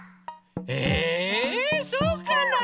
えそうかなあ？